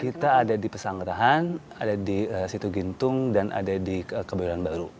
kita ada di pesanggerahan ada di situ gintung dan ada di kebayoran baru